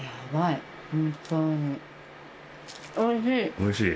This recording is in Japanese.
おいしい？